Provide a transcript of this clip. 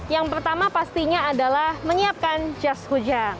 yang pertama pastinya adalah menyiapkan jas hujan